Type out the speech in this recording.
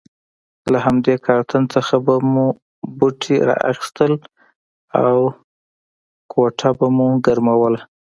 له همدې کارتن څخه به مو بوټي را اخیستل او کوټه به مو ګرموله.